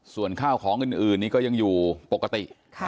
ส่วนข้าวของอื่นนี้ก็ยังอยู่ปกติ